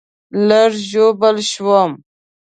لږ ژوبل شوم